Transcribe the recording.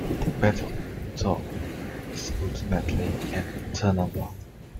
The battle, though, is ultimately an internal one.